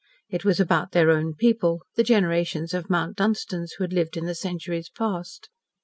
It was about their own people the generations of Mount Dunstans who had lived in the centuries past.